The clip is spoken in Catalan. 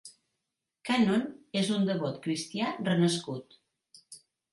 Cannon és un devot cristià renascut.